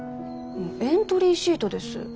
エントリーシートです。